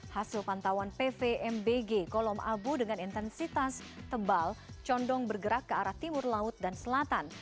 hasil pantauan pvmbg kolom abu dengan intensitas tebal condong bergerak ke arah timur laut dan selatan